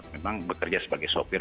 memang bekerja sebagai sopir